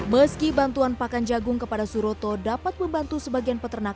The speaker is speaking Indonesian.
meski bantuan pakan jagung kepada suroto dapat membantu sebagian peternak